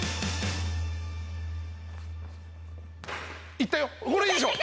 いったよ、これいいでしょ。